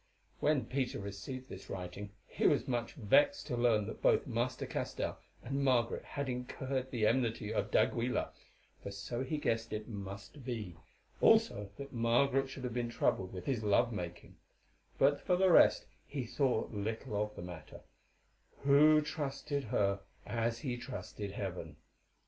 When Peter received this writing he was much vexed to learn that both Master Castell and Margaret had incurred the enmity of d'Aguilar, for so he guessed it must be, also that Margaret should have been troubled with his love making; but for the rest he thought little of the matter, who trusted her as he trusted heaven.